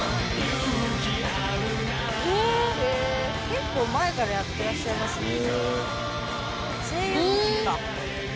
結構前からやってらっしゃいますよね。